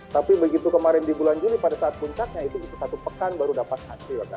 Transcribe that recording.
tapi begitu kemarin di bulan juli pada saat puncaknya itu bisa satu pekan baru dapat hasil